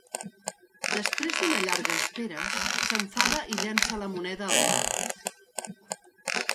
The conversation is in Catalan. Després d'una llarga espera, s'enfada i llança la moneda al mar.